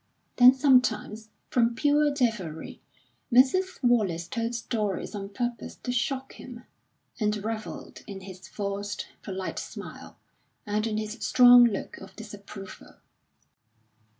Then sometimes, from pure devilry, Mrs. Wallace told stories on purpose to shock him; and revelled in his forced, polite smile, and in his strong look of disapproval.